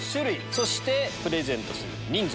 そしてプレゼントする人数。